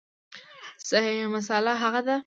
صحیح مسأله هغه ده